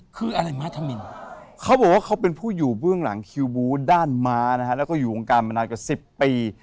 ด้านม้านะฮะแล้วก็อยู่องค์การมานานกว่าสิบปี